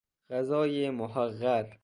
غذای محقر